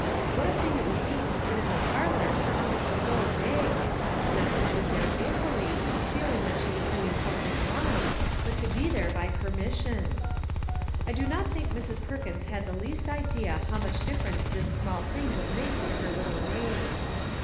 What a thing it would be to sit in the parlor for almost a whole day! Not to sit there 32 ETHEL guiltily, feeling that she was doing something wrong, but to be there by permission. I do not think Mrs. Perkins had the least idea how much difference this small thing would make to her little maid.